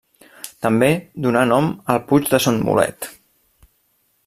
També donà nom al puig de Son Mulet.